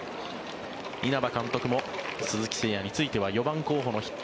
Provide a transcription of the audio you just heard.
稲葉監督も鈴木誠也については４番候補の筆頭。